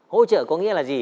hỗ trợ có nghĩa là gì